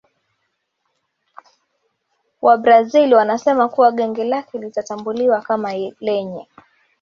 wa Brazil wanasema kuwa genge lake lilitambuliwa kama lenye